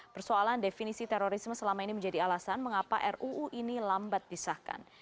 persoalan definisi terorisme selama ini menjadi alasan mengapa ruu ini lambat disahkan